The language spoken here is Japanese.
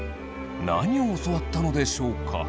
何を教わったのでしょうか？